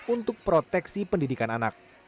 untuk proteksi pendidikan anak